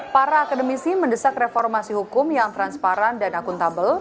para akademisi mendesak reformasi hukum yang transparan dan akuntabel